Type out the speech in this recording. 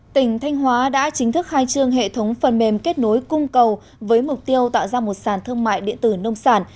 tỉnh thanh hóa đã chính thức khai trương hệ thống phần mềm kết nối cung cầu với mục tiêu tạo ra một sàn thương mại điện tử nông sản